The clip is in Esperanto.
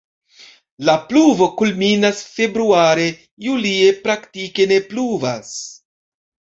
La pluvo kulminas februare, julie praktike ne pluvas.